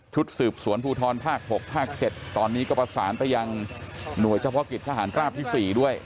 สืบสวนภูทรภาค๖ภาค๗ตอนนี้ก็ประสานไปยังหน่วยเฉพาะกิจทหารราบที่๔ด้วย